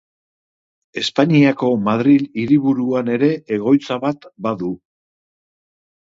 Espainiako Madril hiriburuan ere egoitza bat badu.